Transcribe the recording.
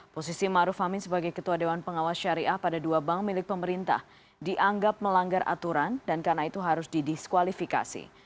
posisi maruf amin sebagai ketua dewan pengawas syariah pada dua bank milik pemerintah dianggap melanggar aturan dan karena itu harus didiskualifikasi